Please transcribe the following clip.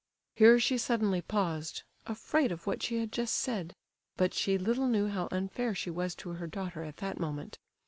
Here she suddenly paused, afraid of what she had just said. But she little knew how unfair she was to her daughter at that moment.